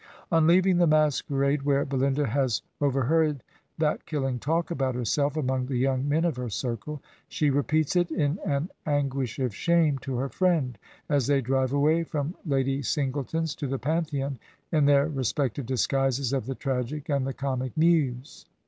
On leaving the masquerade where Belinda has over heard that killing talk about herself among the young men of her circle, she repeats it in an anguish of shame to her friend, as they drive away from Lady Singleton's to the Pantheon, in their respective disguises of the tragic and the comic muse.